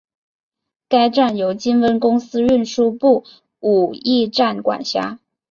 该站由金温公司运输部武义站管辖。